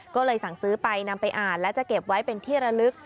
ก็เลยสั่งซื้อไปนำไปอ่านและจะเก็บไว้เป็นที่ระลึก